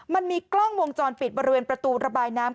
มันมีกล้องวงจรปิดบริเวณประตูระบายน้ำ